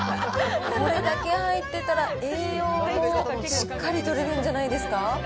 これだけ入ってたら、栄養もしっかりとれるんじゃないですか。